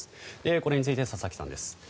これについて佐々木さんです。